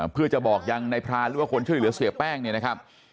เพื่อจะบอกยังในพรานหรือว่าคนช่วยเหลือเสียแป้งเนี่ยนะครับ